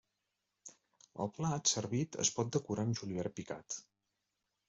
El plat servit es pot decorar amb julivert picat.